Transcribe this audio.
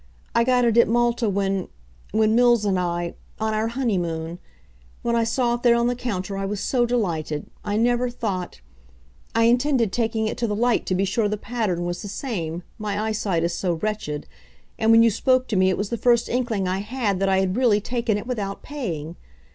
I got it at Malta when when Mills and I on our honeymoon. When I saw it there on the counter I was so delighted I never thought I intended taking it to the light to be sure the pattern was the same, my eyesight is so wretched and when you spoke to me it was the first inkling I had that I had really taken it without paying!